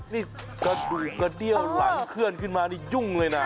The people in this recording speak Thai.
นี่กระดูกกระเดี้ยวหลังเคลื่อนขึ้นมานี่ยุ่งเลยนะ